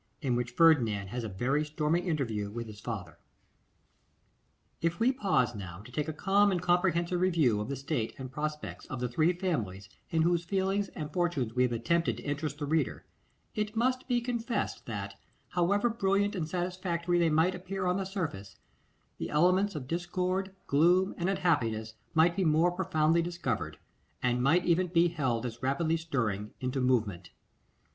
In Which Ferdinand Has a Very Stormy Interview with His Father. IF WE pause now to take a calm and comprehensive review of the state and prospects of the three families, in whose feelings and fortunes we have attempted to interest the reader, it must be confessed that, however brilliant and satisfactory they might appear on the surface, the elements of discord, gloom, and unhappiness might be more profoundly discovered, and might even be held as rapidly stirring into movement.